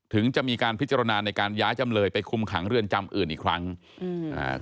ถึงจะมีการพิจารณาในการย้ายจำเลยไปคุมขังเรือนจำอื่นอีกครั้งอืมอ่า